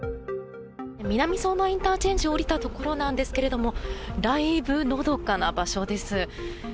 南相馬ＩＣを降りたところなんですけどもだいぶのどかな場所です。